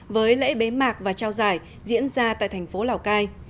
với lễ bế mạc và trao giải diễn ra tại thành phố lào cai